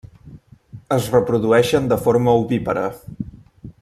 Es reprodueixen de forma ovípara.